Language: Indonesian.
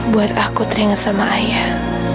buat aku teringat sama ayah